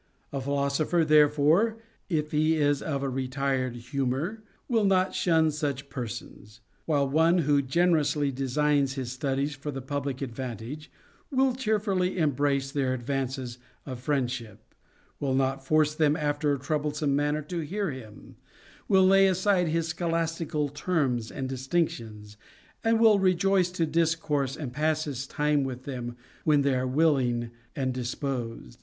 A philosopher therefore, if he is of a retired humor, will not shun such persons ; while one who generously designs his studies for the public advantage will cheerfully embrace their advances of friendship, will not force them after a troublesome manner to hear him, will lay aside his scholas tical terms and distinctions, and will rejoice to discourse and pass his time with them when they are willing and dis posed.